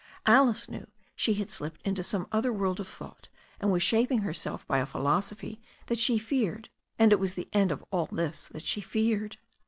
Alice knew she had slipped into some other world of thought, and was shaping herself by a philosophy that she herself feared. And it was the end of all this that she feared.